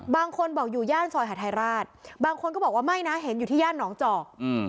บางคนบอกอยู่ย่านซอยหาทัยราชบางคนก็บอกว่าไม่นะเห็นอยู่ที่ย่านหนองจอก